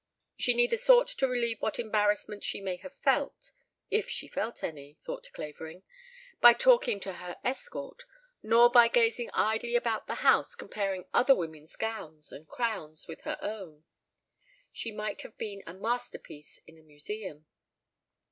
She neither sought to relieve what embarrassment she may have felt if she felt any! thought Clavering by talking to her escort nor by gazing idly about the house comparing other women's gowns and crowns with her own. She might have been a masterpiece in a museum.